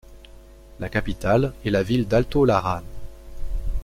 La capitale est la ville d'Alto Larán.